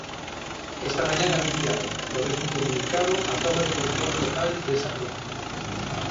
Esta mañá anunciaron, a través dun comunicado, a toma de control total desa provincia.